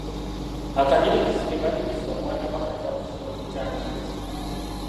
Akanyirikisi ke banyigisa omwana bakajja ku kitooke kya Ndiizi.